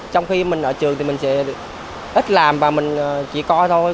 trong khi mình ở trường thì mình sẽ ít làm và mình chỉ coi thôi